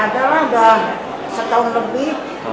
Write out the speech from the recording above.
adalah sudah setahun lebih